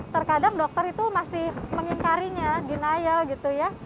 terkadang dokter itu masih mengingkarinya denial gitu ya